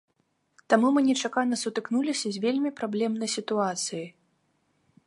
Таму мы нечакана сутыкнуліся з вельмі праблемнай сітуацыяй.